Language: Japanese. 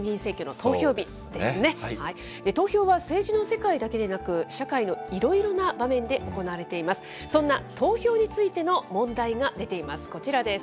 投票は政治の世界だけでなく、社会のいろいろな場面で行われています。